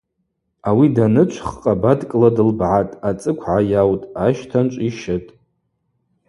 Ауи данычв хкъабаткӏла дылбгӏатӏ, ацӏыкв гӏайаутӏ, ащтанчӏв йщытӏ.